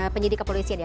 penyidik kepolisian ya